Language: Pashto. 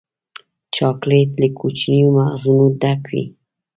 چاکلېټ له کوچنیو مغزونو ډک وي.